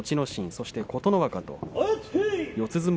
心そして琴ノ若と四つ